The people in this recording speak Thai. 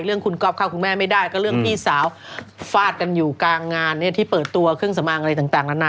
เรื่องคุณก๊อฟเข้าคุณแม่ไม่ได้ก็เรื่องพี่สาวฟาดกันอยู่กลางงานเนี่ยที่เปิดตัวเครื่องสำอางอะไรต่างนานา